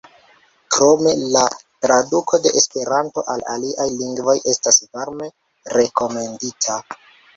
Krome, la traduko de Esperanto al aliaj lingvoj estas varme rekomendita.